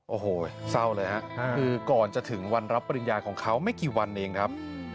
โอ้โหเศร้าเลยฮะคือก่อนจะถึงวันรับปริญญาของเขาไม่กี่วันเองครับ